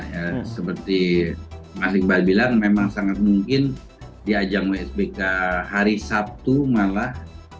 ya seperti mas iqbal bilang memang sangat mungkin di ajang wsbk hari sabtu malah